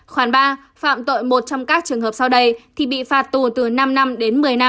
khoản ba phạm tội một trong các trường hợp sau đây thì bị phạt tù từ năm năm đến một mươi năm